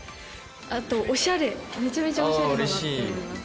あとおしゃれめちゃめちゃおしゃれだなって思います